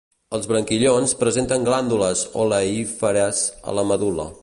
Els branquillons presenten glàndules oleíferes a la medul·la.